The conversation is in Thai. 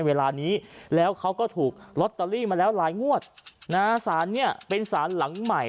เวลานี้แล้วเขาก็ถูกลอตเตอรี่มาแล้วหลายงวดนะฮะสารเนี้ยเป็นสารหลังใหม่